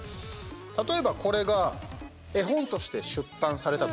例えば、これが絵本として出版されたとします